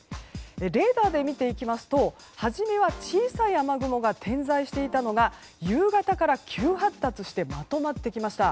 レーダーで見ていきますと初めは小さい雨雲が点在していたのが夕方から急発達してまとまってきました。